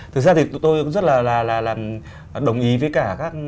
thực ra thì tôi cũng rất là đồng ý với cả các